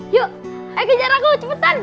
yuk kejar aku cepetan